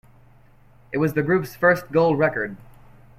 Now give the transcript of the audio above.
It was the group's first gold record.